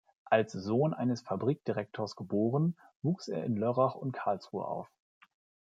Als Sohn eines Fabrikdirektors geboren, wuchs er in Lörrach und Karlsruhe auf.